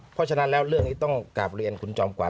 เพราะฉะนั้นแล้วเรื่องนี้ต้องกลับเรียนคุณจอมขวั